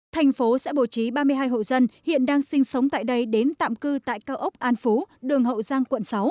thành phố sẽ bổ trí ba mươi hai hộ dân hiện đang sinh sống tại đây đến tạm cư tại cao ốc an phú đường hậu giang quận sáu